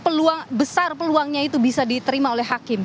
anda melihat ini peluang besar peluangnya itu bisa diterima oleh hakim